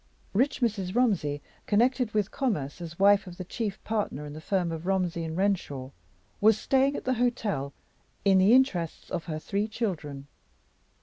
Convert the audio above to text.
Rich Mrs. Romsey, connected with commerce as wife of the chief partner in the firm of Romsey & Renshaw, was staying at the hotel in the interests of her three children.